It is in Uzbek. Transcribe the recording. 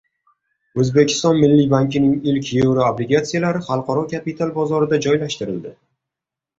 O‘zbekiston Milliy bankining ilk yevroobligatsiyalari xalqaro kapital bozorida joylashtirildi